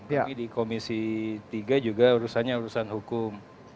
tapi di komisi tiga juga urusannya urusan hukum